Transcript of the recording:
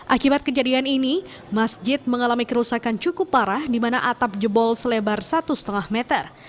akibat kejadian ini masjid mengalami kerusakan cukup parah di mana atap jebol selebar satu lima meter